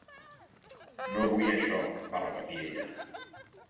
"No vull això", va repetir ella.